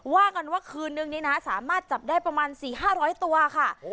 ว่ากันว่าคืนนึงนี่นะสามารถจับได้ประมาณสี่ห้าร้อยตัวค่ะ